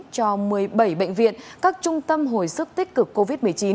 cho một mươi bảy bệnh viện các trung tâm hồi sức tích cực covid một mươi chín